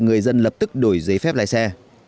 người dân lập tức đổi giấy phép lái xe